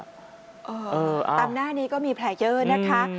ตามหน้านี้ก็มีแผลเยอะนะคะ